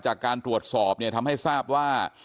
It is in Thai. จากการตรวจสอบเนี่ยทำให้ทราบว่า